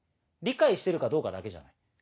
理解してるかどうかだけじゃない。